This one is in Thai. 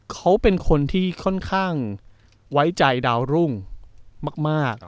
เขาเป็นคนที่ค่อนข้างไว้ใจดาวรุ่งมาก